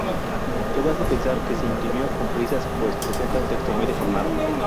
Todo hace pensar que se imprimió con prisas, pues presenta un texto muy deformado.